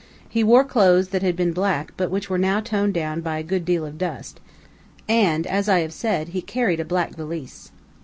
He wore clothes that had been black, but which were now toned down by a good deal of dust, and, as I have said, he carried a black valise.